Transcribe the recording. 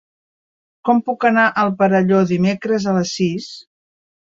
Com puc anar al Perelló dimecres a les sis?